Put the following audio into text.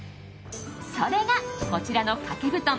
それが、こちらの掛け布団